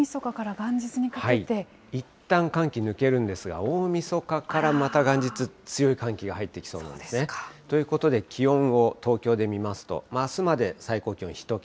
いったん寒気抜けるんですが、大みそかからまた元日、強い寒気が入ってきそうなんですね。ということで、気温を東京で見ますと、あすまで最高気温１桁。